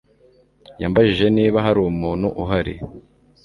Yambajije niba hari umuntu uhari.